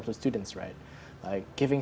memberikan penduduk lebih banyak akses ke ini